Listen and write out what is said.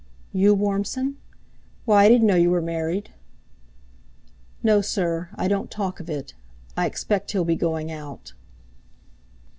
"You, Warmson? Why, I didn't know you were married." "No, sir. I don't talk of it. I expect he'll be going out."